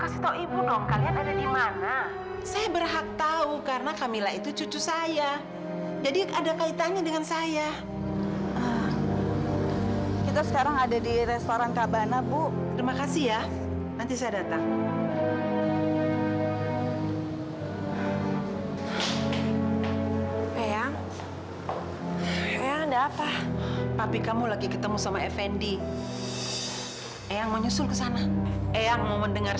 selamat siang pak tamar